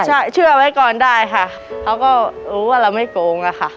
ใช่เชื่อไว้ก่อนได้ค่ะเขาก็รู้ว่าเราไม่โกงอะค่ะ